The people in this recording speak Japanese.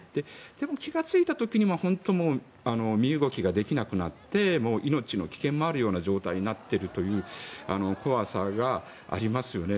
でも、気がついた時には身動きができなくなってもう命の危険もあるような状態になっているという怖さがありますよね。